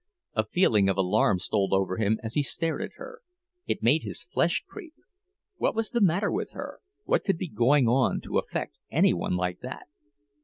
A feeling of alarm stole over him as he stared at her. It made his flesh creep. What was the matter with her, what could be going on, to affect any one like that?